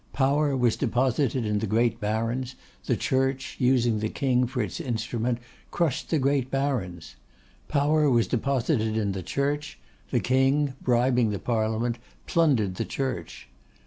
Power was deposited in the great Barons; the Church, using the King for its instrument, crushed the great Barons. Power was deposited in the Church; the King, bribing the Parliament, plundered the Church.